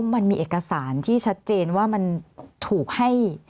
มันมีเอกสารที่ชัดเจนว่ามันถูกให้